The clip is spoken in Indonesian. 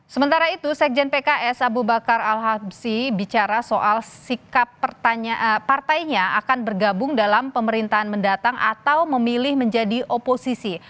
sementara itu sekjen pks abu bakar al habsi bicara soal sikap partainya akan bergabung dalam pemerintahan mendatang atau memilih menjadi oposisi